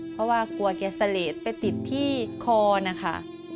เพราะว่ากลัวแกเสลดไปติดที่คอนะคะ